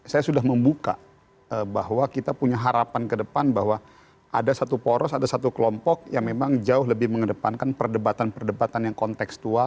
saya sudah membuka bahwa kita punya harapan ke depan bahwa ada satu poros ada satu kelompok yang memang jauh lebih mengedepankan perdebatan perdebatan yang konteksual